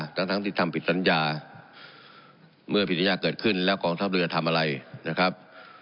ทั้งทั้งที่ทำผิดสัญญาเมื่อผิดสัญญาเกิดขึ้นแล้วกองทัพเรือทำอะไรนะครับ